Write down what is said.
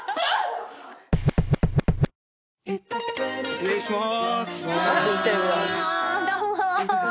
失礼しまーす！